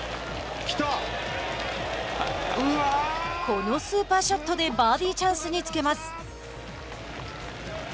このスーパーショットでバーディーチャンスにつけます。